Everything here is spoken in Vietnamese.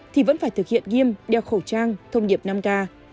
thì vẫn phải thực hiện nghiêm đeo khẩu trang thông điệp năm k